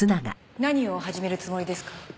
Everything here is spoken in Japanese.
何を始めるつもりですか？